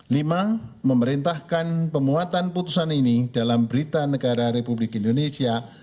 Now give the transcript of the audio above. lima memerintahkan pemuatan putusan ini dalam berita negara republik indonesia